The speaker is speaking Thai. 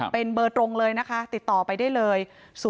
เป็นเบอร์ตรงเลยนะคะติดต่อไปได้เลย